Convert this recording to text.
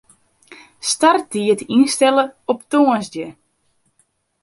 Starttiid ynstelle op tongersdei.